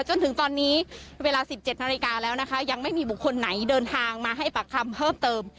จนถึงตอนนี้เวลา๑๗นาฬิกาแล้วนะคะยังไม่มีบุคคลไหนเดินทางมาให้ปากคำเพิ่มเติม